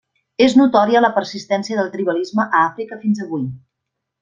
És notòria la persistència del tribalisme a Àfrica fins avui.